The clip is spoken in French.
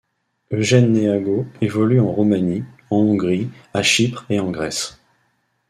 Eugen Neagoe évolue en Roumanie, en Hongrie, à Chypre, et en Grèce.